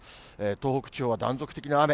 東北地方は断続的な雨。